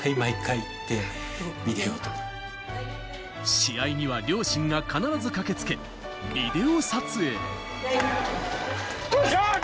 試合には両親が必ず駆けつけビデオ撮影。